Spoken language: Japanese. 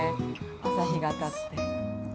朝日が当たって。